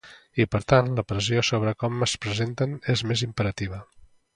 I per tant la pressió sobre com es presenten és més imperativa.